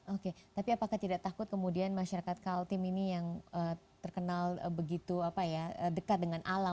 oke tapi apakah tidak takut kemudian masyarakat kaltim ini yang terkenal begitu dekat dengan alam